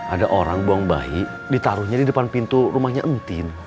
ada orang buang bayi ditaruhnya di depan pintu rumahnya entin